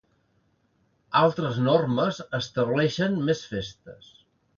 Altres normes estableixen més festes.